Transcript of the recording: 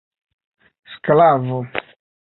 sklavo